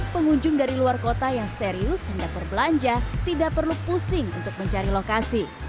pengunjung dari luar kota yang serius hendak berbelanja tidak perlu pusing untuk mencari lokasi